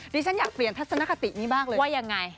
ฉันอยากเปลี่ยนทัศนคตินี้มากเลยว่ายังไง